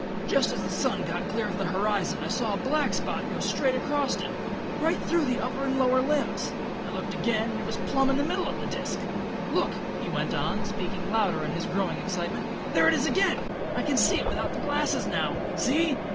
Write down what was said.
Just as the sun got clear above the horizon I saw a black spot go straight across it, right through the upper and lower limbs. I looked again, and it was plumb in the middle of the disc. Look," he went on, speaking louder in his growing excitement, "there it is again! I can see it without the glasses now. See?"